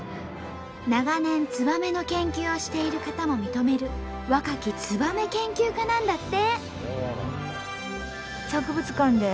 長年ツバメの研究をしている方も認める若きツバメ研究家なんだって。